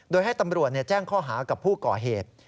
โดยให้ตำรวจแจ้งข้อหากับผู้ก่อเหตุ